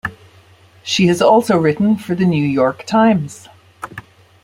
She has also written for "The New York Times".